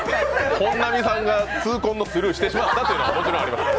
本並さんが痛恨のスルーをしてしまったということもありますね。